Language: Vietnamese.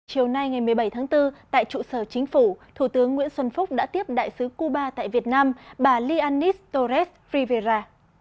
chiều nay ngày một mươi bảy tháng bốn tại trụ sở chính phủ thủ tướng nguyễn xuân phúc đã tiếp đại sứ cuba tại việt nam bà lianis torres rivera